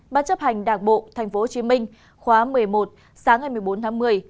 ban chấp hành đảng bộ tp hcm khóa một mươi một sáng ngày một mươi bốn tháng một mươi